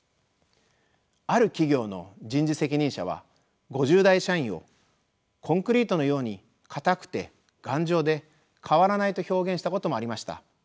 ある企業の人事責任者は５０代社員をコンクリートのように硬くて頑丈で変わらないと表現したこともありました。